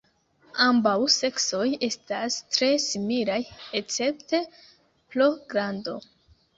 Ambaŭ seksoj estas tre similaj escepte pro grando.